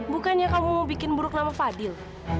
bukannya kamu mau bikin buruk nama fadil